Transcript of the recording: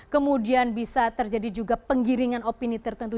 kemudian bisa terjadi juga penggiringan opini tertentu